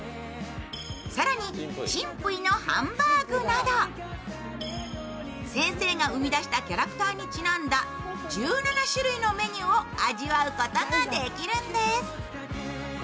更に、チンプイのハンバーグなど、先生が生み出したキャラクターにちなんだ１７種類のメニューを味わうことができるんです。